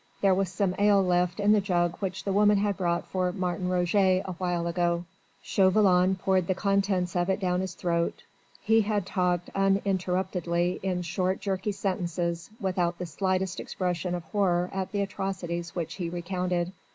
There was some ale left in the jug which the woman had brought for Martin Roget a while ago. Chauvelin poured the contents of it down his throat. He had talked uninterruptedly, in short, jerky sentences, without the slightest expression of horror at the atrocities which he recounted.